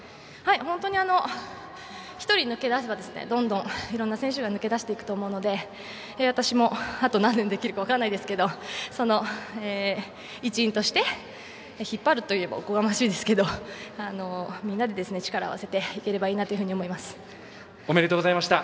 本当に、１人が抜け出せばどんどん、いろんな選手が抜け出すと思うので私もあと何年できるか分かりませんがその一員として引っ張るというとおこがましいですがみんなで力を合わせておめでとうございました。